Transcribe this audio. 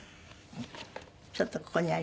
ちょっとここにあります。